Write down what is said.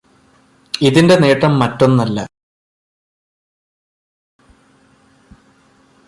ഇതിന്റെ നേട്ടം മറ്റൊന്നല്ല.